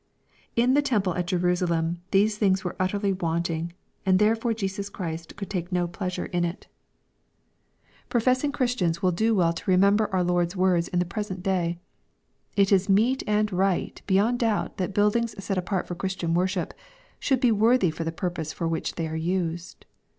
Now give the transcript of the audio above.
In the temple at Jerusa* lem these things were utterly wanting, and therefor© Jesus Christ could take no pleasure in it. LUKE, CHAI. XXI. 357 Professing Christians will do well to remember our Lord's words in the present day. It is meet and right beyond doubt that buildings set apart for Christian wor ship, should be worthy of the purpose for which they are used.